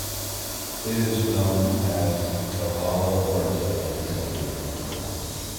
It is known as 'cavolo verza' in Italy.